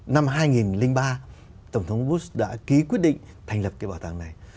năm hai nghìn ba tổng thống bus đã ký quyết định thành lập cái bảo tàng này